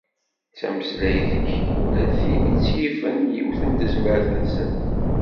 Tameslayt-ik ulac tin i tt-yifen, yiwet n tezmert-nsent.